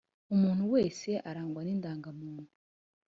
umuntu wese arangwa ni ndangamuntu